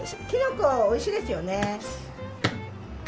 きのこはおいしいですよね。